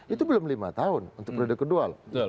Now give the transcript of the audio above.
itu belum lima tahun untuk berada kedua